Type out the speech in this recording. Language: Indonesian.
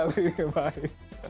baru dari bali bye